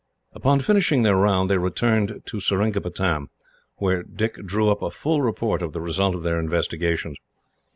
Upon finishing their round, they returned to Seringapatam, where Dick drew up a full report of the result of their investigations.